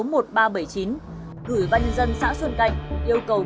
gửi ban nhân dân xã xuân canh yêu cầu